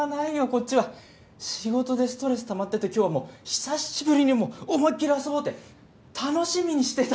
こっちは仕事でストレスたまってて今日はもう久しぶりに思いっ切り遊ぼうって楽しみにしてたんだよ。